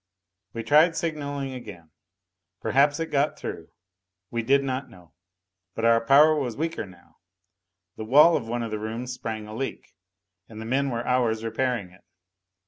We tried signaling again. Perhaps it got through we did not know. But our power was weaker now. The wall of one of the rooms sprang a leak, and the men were hours repairing it.